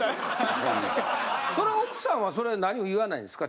それ奥さんはそれ何も言わないんですか？